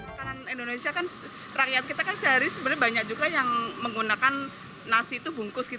makanan indonesia kan rakyat kita kan sehari sebenarnya banyak juga yang menggunakan nasi itu bungkus